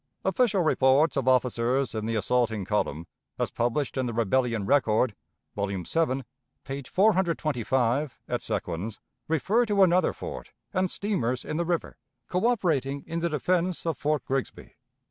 Official reports of officers in the assaulting column, as published in the "Rebellion Record," vol. vii, page 425, et seq., refer to another fort, and steamers in the river, coöperating in the defense of Fort Grigsby.